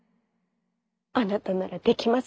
あなたならできます。